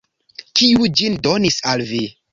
Kiu ĝin donis al vi?